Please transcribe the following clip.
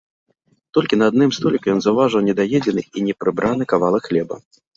Толькі на адным століку ён заўважыў недаедзены і непрыбраны кавалак хлеба.